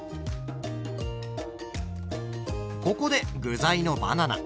ここで具材のバナナ。